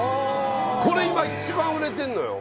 これ今一番売れてるのよ